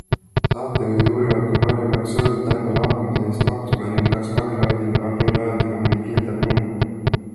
Saatejuhid uurivad, kui palju peaks Suurbritannia lahkumise eest maksma ning kas Kaljulaidil on neile öelda ka mõni kindel number.